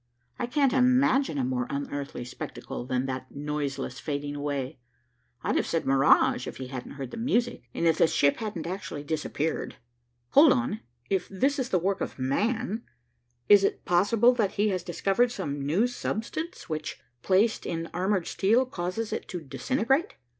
"I can't imagine a more unearthly spectacle than that noiseless fading away. I'd have said mirage, if he hadn't heard the music, and if the ship hadn't actually disappeared. Hold on if this is the work of man, is it possible that he has discovered some new substance which, placed in armored steel, causes it to disintegrate?